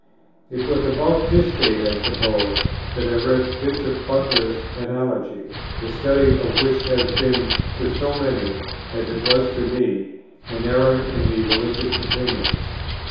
It was at about this date, I suppose, that I read Bishop Butler's Analogy; the study of which has been to so many, as it was to me, an era in their religious opinions.